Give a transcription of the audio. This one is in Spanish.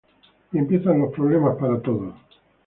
Y empiezan los problemas para todos.